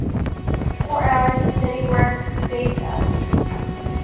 Four hours of steady work faced us.